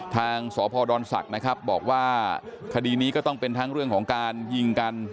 ทางสพดศักดิ์นะครับบอกว่าคดีนี้ก็ต้องเป็นทั้งเรื่องของการยิงกัน